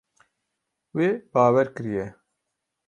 Wê bawer kiriye.